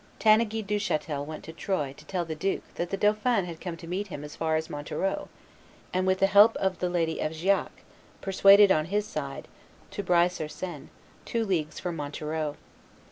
Tanneguy Duchatel went to Troyes to tell the duke that the dauphin had come to meet him as far as Montereau, and, with the help of the lady of Giae, persuaded on his side, to Bray sur Seine, two leagues from Montereau.